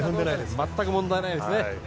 全く問題ないですね。